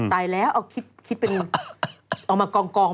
ตายแล้วเอาคิดเป็นเอามากอง